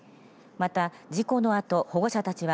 また、事故のあと保護者たちは